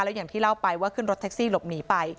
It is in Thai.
อย่างที่เล่าไปว่าขึ้นรถแท็กซี่หลบหนีไป